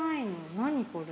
何これ。